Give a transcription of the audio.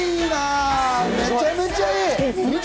めちゃめちゃいい！